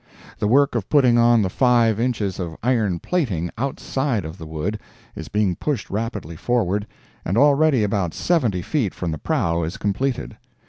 The work of putting on the five inches of iron plating, outside of the wood, is being pushed rapidly forward, and already about seventy feet from the prow is completed.